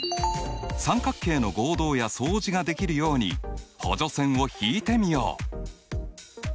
三角形の合同や相似ができるように補助線を引いてみよう。